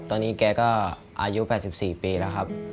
ตอนนี้แกก็อายุ๘๔ปีแล้วครับ